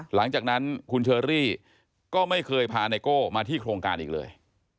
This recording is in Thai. หลังจากนั้นคุณเชอรี่ก็ไม่เคยพาไนโก้มาที่โครงการอีกเลย